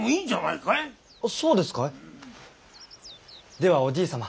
ではおじい様